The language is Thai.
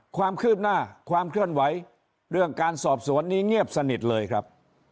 ความคืบหน้าความเคลื่อนไหวเรื่องการสอบสวนนี้เงียบสนิทเลยครับ